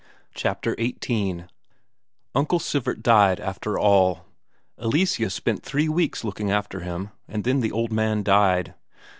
Chapter XVIII Uncle Sivert died after all. Eleseus spent three weeks looking after him, and then the old man died.